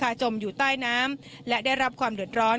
จมอยู่ใต้น้ำและได้รับความเดือดร้อน